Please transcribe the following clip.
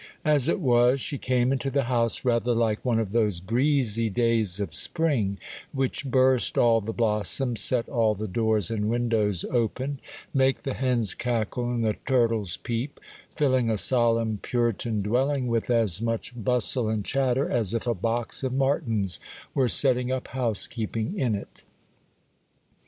As it was, she came into the house rather like one of those breezy days of spring, which burst all the blossoms, set all the doors and windows open, make the hens cackle and the turtles peep,—filling a solemn Puritan dwelling with as much bustle and chatter as if a box of martins were setting up housekeeping in it.